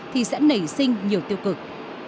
thì sẽ nảy sinh nhiều tiêu cực